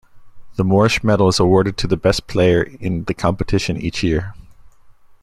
The Morrish Medal is awarded to the best player in the competition each year.